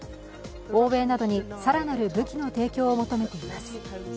欧米などに更なる武器の提供を求めています。